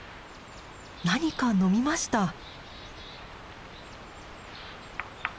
何か飲みました。